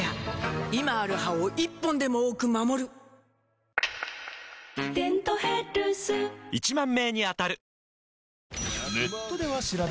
今ある歯を１本でも多く守る「デントヘルス」１０，０００名に当たる！